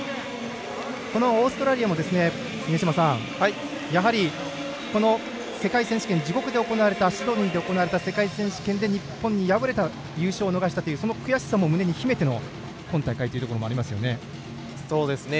このオーストラリアもやはり、世界選手権自国、シドニーで行われた世界選手権で日本に敗れた優勝を逃したというその悔しさも、胸に秘めての今大会というところはありますよね。